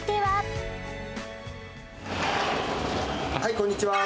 こんにちは